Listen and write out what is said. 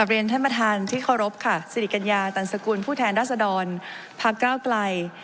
เรียนท่านประธานที่เคารพค่ะสิริกัญญาตันสกุลผู้แทนรัศดรพักก้าวไกล